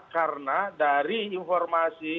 karena dari informasi